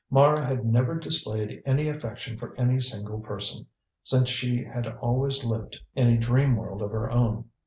Mara had never displayed any affection for any single person, since she had always lived in a dream world of her own.